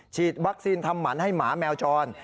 ฉีดวัคซีนทำหมันให้หมาแมวจร